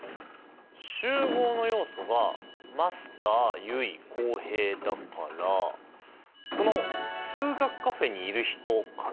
集合の要素がマスター結衣浩平だからこの数学カフェにいる人かな。